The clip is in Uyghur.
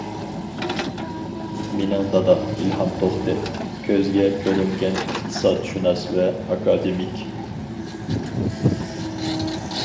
مىنىڭ دادام، ئىلھام توختى، كۆزگە كۆرۈنگەن ئىقتىسادشۇناس ۋە ئاكادېمىك.